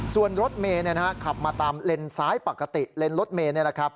ส่วนรถเมล์ขับมาตามเลนสายปกติเลนส์รถเมล์